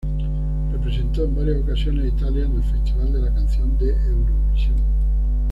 Representó en varias ocasiones a Italia en el Festival de la Canción de Eurovisión.